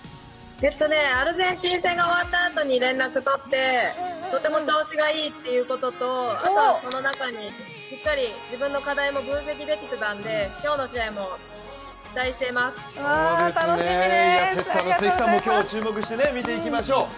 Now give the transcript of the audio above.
アルゼンチン戦が終わった後に連絡をとってとても調子がいいということと、あとはその中でしっかり自分の課題も分析できていたので、今日の試合も期待しています。